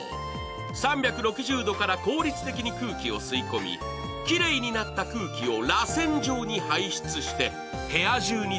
３６０度から効率的に空気を吸い込み、きれいになった空気を私、